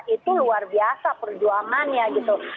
itu luar biasa perjuangannya gitu